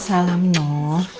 assalamualaikum salam noh